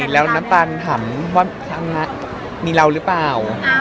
แล้วน้ำตาลถามว่าทางงานมีเรารึเปล่า